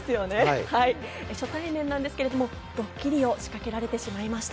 初対面なんですけど、ドッキリを仕掛けられてしまいました。